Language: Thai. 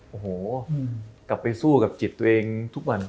โอ้โหกลับไปสู้กับจิตตัวเองทุกวัน